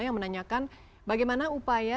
yang menanyakan bagaimana upaya